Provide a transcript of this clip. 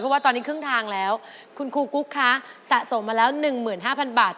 เพราะว่าตอนนี้ครึ่งทางแล้วคุณครูกุ๊กคะสะสมมาแล้ว๑๕๐๐บาท